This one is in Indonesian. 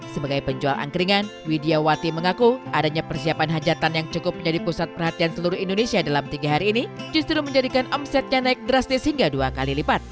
sebagai penjual angkringan widiawati mengaku adanya persiapan hajatan yang cukup menjadi pusat perhatian seluruh indonesia dalam tiga hari ini justru menjadikan omsetnya naik drastis hingga dua kali lipat